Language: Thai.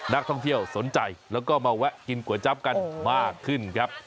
นักท่องเที่ยวสนใจแล้วก็มาแวะกินก๋วยจั๊บกันมากขึ้นครับ